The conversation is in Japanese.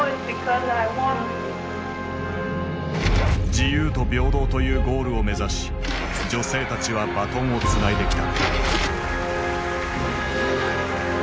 自由と平等というゴールを目指し女性たちはバトンをつないできた。